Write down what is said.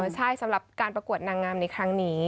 ใช่สำหรับการประกวดนางงามในครั้งนี้